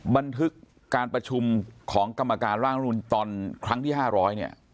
บันทึกการประชุมของกรรมการร่างรัฐมนุนตอนครั้งที่๕๐๐เนี่ย